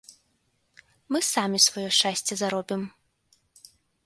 Мы самі сваё шчасце заробім.